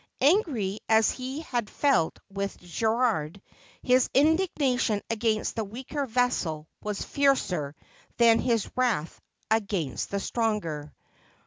Angry as he had felt with Gerald, his indignation against the weaker vessel was fiercer than his wrath against the stronger.